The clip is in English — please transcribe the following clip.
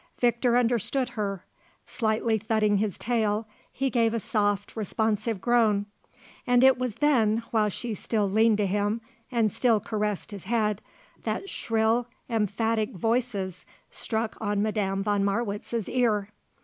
Victor understood her. Slightly thudding his tail he gave a soft responsive groan; and it was then, while she still leaned to him and still caressed his head, that shrill, emphatic voices struck on Madame von Marwitz's ear.